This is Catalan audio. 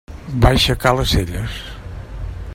Va aixecar les celles.